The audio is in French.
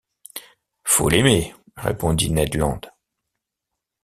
Faut l’aimer, répondit Ned Land.